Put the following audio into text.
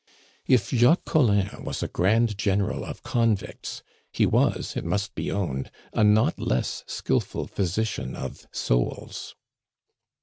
If Jacques Collin was a grand general of convicts, he was, it must be owned, a not less skilful physician of souls.